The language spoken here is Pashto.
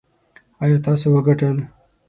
ایا تاسو وګټل؟